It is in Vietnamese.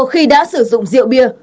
khi đã sử dụng rượu bia